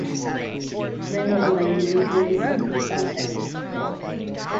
Then will the individualism be perfect.